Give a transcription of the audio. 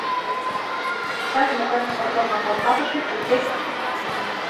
Иктаж-могай сомылым амалкалышыч, уке?